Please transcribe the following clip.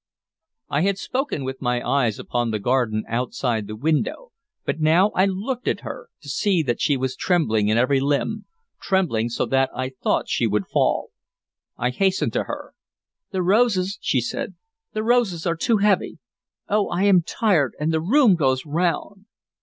I had spoken with my eyes upon the garden outside the window, but now I looked at her, to see that she was trembling in every limb, trembling so that I thought she would fall. I hastened to her. "The roses," she said, "the roses are too heavy. Oh, I am tired and the room goes round."